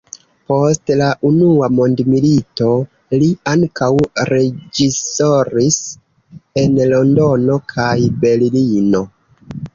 Post la unua mondmilito li ankaŭ reĝisoris en Londono kaj Berlino.